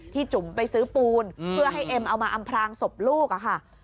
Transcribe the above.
จุ๋มไปซื้อปูนเพื่อให้เอ็มเอามาอำพลางศพลูกค่ะ